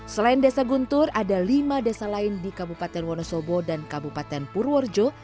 selain desa guntur ada lima desa lain di kabupaten wonosobo dan kabupaten purworejo